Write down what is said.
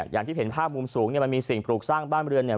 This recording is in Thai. อย่างที่เห็นภาพมุมสูงเนี่ยมันมีสิ่งปลูกสร้างบ้านเรือนเนี่ย